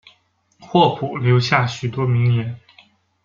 霍普留下许多名言。